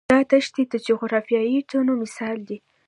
دا دښتې د جغرافیوي تنوع مثال دی.